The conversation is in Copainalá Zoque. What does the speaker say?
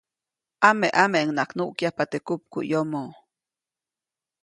Ameʼameʼuŋnaʼajk nuʼkyajpa teʼ kupmuʼyomo.